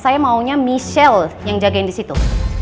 saya maunya michelle yang jagain di situ